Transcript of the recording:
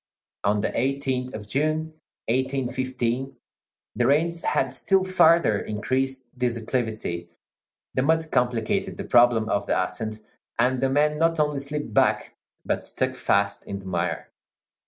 On the 18th of June, 1815, the rains had still farther increased this acclivity, the mud complicated the problem of the ascent, and the men not only slipped back, but stuck fast in the mire.